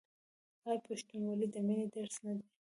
آیا پښتونولي د مینې درس نه دی؟